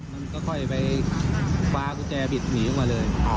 มันก็ค่อยไปคว้ากุญแจบิดหนีออกมาเลย